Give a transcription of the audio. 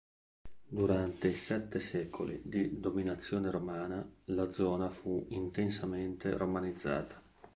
Durante i sette secoli di dominazione romana, la zona fu intensamente romanizzata.